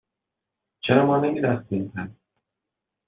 چرا ما نمی رقصیم، پس؟